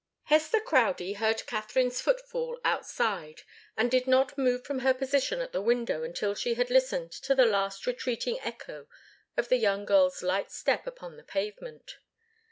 Hester Crowdie heard Katharine's footfall outside, and did not move from her position at the window until she had listened to the last retreating echo of the young girl's light step upon the pavement.